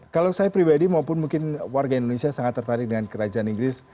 kalau saya pribadi maupun mungkin warga indonesia sangat tertarik dengan kerajaan inggris